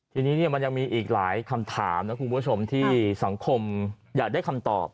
ทีนี้มันยังมีอีกหลายคำถามนะคุณผู้ชมที่สังคมอยากได้คำตอบ